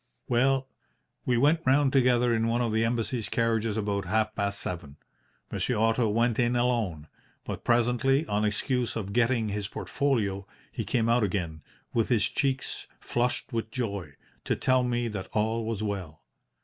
"Well, we went round together in one of the Embassy's carriages about half past seven. Monsieur Otto went in alone; but presently, on excuse of getting his portfolio, he came out again, with his cheeks flushed with joy, to tell me that all was well.